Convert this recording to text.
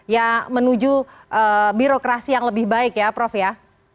ya menuju birokrasi yang lebih baik ya prof ya